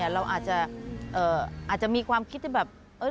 เราอาจจะมีความคิดที่แบบ